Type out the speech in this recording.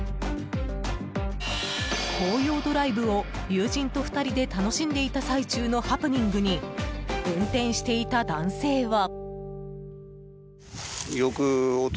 紅葉ドライブを、友人と２人で楽しんでいた最中のハプニングに運転していた男性は。